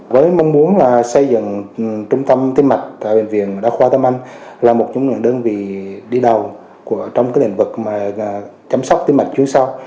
với mong muốn là xây dựng trung tâm tim mạch tại bệnh viện đa khoa tâm anh là một trong những đơn vị đi đầu trong cái lĩnh vực mà chăm sóc tim mạch chuyên sâu